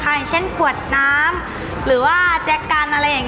อย่างเช่นผัวน้ำหรือว่าแจ๊กกัน